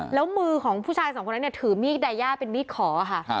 แล้วมือของผู้ชายสองคนนั้นเนี่ยถือมีดไดย่าเป็นมีดขอค่ะ